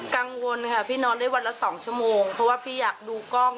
กังวลค่ะพี่นอนได้วันละ๒ชั่วโมงเพราะว่าพี่อยากดูกล้อง